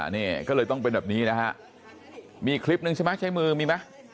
นี่ก็เลยต้องเป็นแบบนี้นะฮะมีคลิปนึงใช่ไหมใช้มือมีไหม